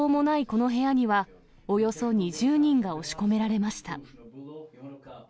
この部屋には、およそ２０人が押し込められました。